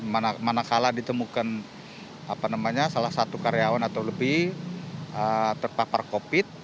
mana mana kalah ditemukan salah satu karyawan atau lebih terpapar covid sembilan belas